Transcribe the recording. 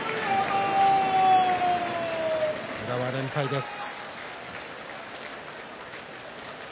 宇良、連敗です。